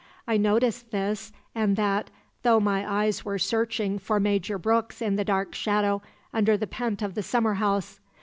I noted this and that, though my eyes were searching for Major Brooks in the dark shadow under the pent of the summer house.